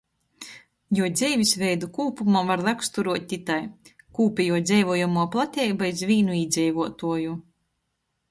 Juo dzeivis veidu kūpumā var raksturuot itai. Kūpejuo dzeivojamuo plateiba iz vīnu īdzeivuotuoju.